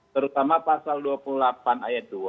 terutama pasal dua puluh delapan ayat dua